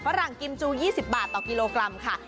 หลังกิมจู๒๐บาทต่อกิโลกรัมค่ะ